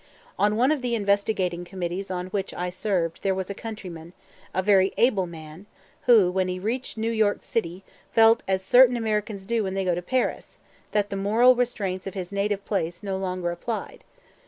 On one of the investigating committees on which I served there was a countryman, a very able man, who, when he reached New York City, felt as certain Americans do when they go to Paris that the moral restraints of his native place no longer applied.